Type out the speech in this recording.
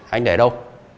anh để đâu